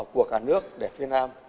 của cả nước để phía nam